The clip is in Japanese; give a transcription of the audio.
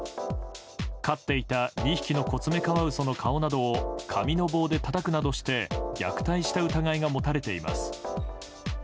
飼っていた２匹のコツメカワウソの顔などを紙の棒でたたくなどして虐待した疑いが持たれています。